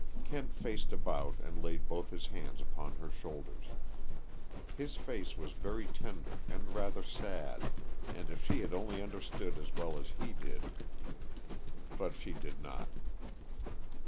Kent faced about and laid both his hands upon her shoulders. His face was very tender and rather sad, and if she had only understood as well as he did . But she did not.